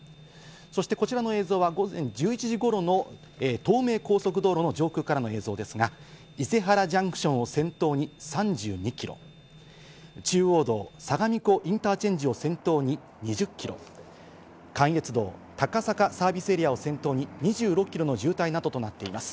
そしてこちらの映像は午前１１時頃の東名高速道路の上空からの映像ですが、伊勢原ジャンクションを先頭に３２キロ、中央道・相模湖インターチェンジを先頭に２０キロ、関越道・高坂サービスエリアを先頭に２６キロの渋滞などとなっています。